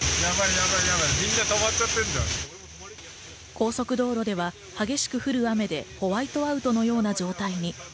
高速道路では激しく降る雨でホワイトアウトのような状態に。